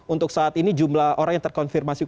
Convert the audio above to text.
untuk saat ini jumlah orang yang terkonfirmasi